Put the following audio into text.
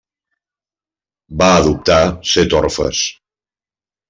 Va adoptar set orfes.